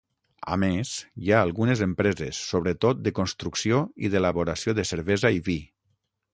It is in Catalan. A més, hi ha algunes empreses, sobretot de construcció i d'elaboració de cervesa i vi.